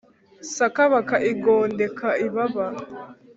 sakabaka igondeka ibaba